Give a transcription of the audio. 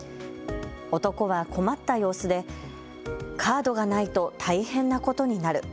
男は困った様子でカードがないと大変なことになる。